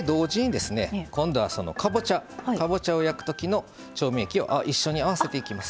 同時に、今度はかぼちゃを焼くときの調味液を一緒に合わせていきます。